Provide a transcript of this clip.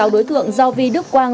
sáu đối tượng giao vi đức quang